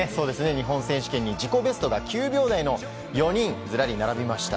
日本選手権に自己ベストが９秒台の４人がずらり並びました。